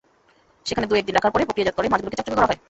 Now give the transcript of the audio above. সেখানে দু-এক দিন রাখার পরে প্রক্রিয়াজাত করে মাছগুলোকে চকচকে করা হয়।